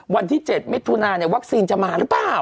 วันที่๗มิถุนาเนี่ยวัคซีนจะมาหรือเปล่า